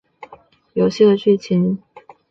游戏的剧情与前两作并没有太多区别。